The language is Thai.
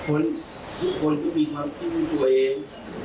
ทุกคนก็มีความคิดของตัวเอง